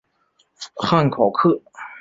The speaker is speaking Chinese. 汉考克。